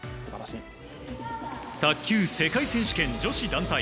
卓球世界選手権女子団体。